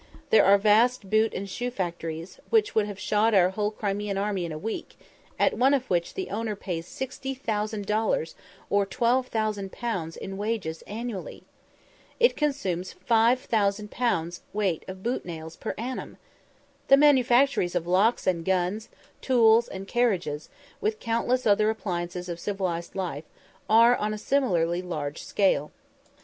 There are vast boot and shoe factories, which would have shod our whole Crimean army in a week, at one of which the owner pays 60,000 dollars or 12,000_l._ in wages annually! It consumes 5000 pounds weight of boot nails per annum! The manufactories of locks and guns, tools, and carriages, with countless other appliances of civilized life, are on a similarly large scale.